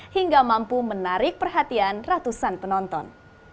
hingga mampu menarik perhatian ratusan penonton